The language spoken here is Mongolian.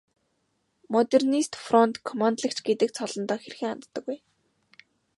Модернист фронт командлагч гэдэг цолондоо хэрхэн ханддаг вэ?